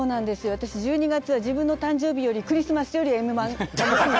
私は、１２月は自分の誕生日より、クリスマスよりもＭ−１。